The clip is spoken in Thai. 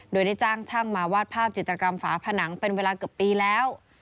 โดยได้จ้างช่างมาวาดภาพจิตกรรมฝาผนังเป็นเวลาเกือบปีแล้ว